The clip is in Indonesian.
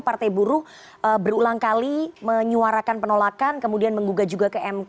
partai buruh berulang kali menyuarakan penolakan kemudian menggugah juga ke mk